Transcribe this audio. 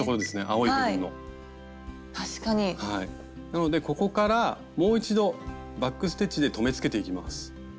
なのでここからもう一度バック・ステッチで留めつけていきます。